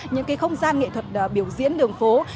những không gian nghệ thuật biểu diễn đường phố